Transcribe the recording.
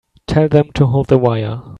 Tell them to hold the wire.